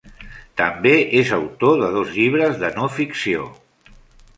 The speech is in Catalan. També és autor de dos llibres de no ficció.